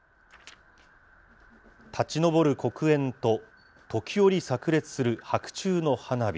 立ち上る黒煙と、時折さく裂する白昼の花火。